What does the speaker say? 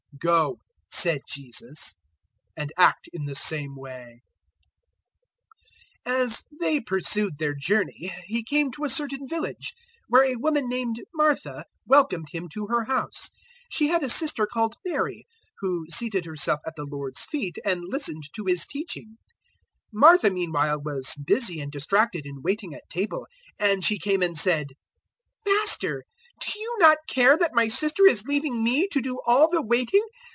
"Go," said Jesus, "and act in the same way." 010:038 As they pursued their journey He came to a certain village, where a woman named Martha welcomed Him to her house. 010:039 She had a sister called Mary, who seated herself at the Lord's feet and listened to His teaching. 010:040 Martha meanwhile was busy and distracted in waiting at table, and she came and said, "Master, do you not care that my sister is leaving me to do all the waiting?